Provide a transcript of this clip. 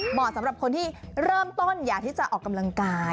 เหมาะสำหรับคนที่เริ่มต้นอยากที่จะออกกำลังกาย